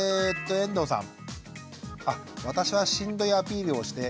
遠藤さん。